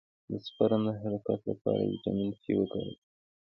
د سپرم د حرکت لپاره ویټامین سي وکاروئ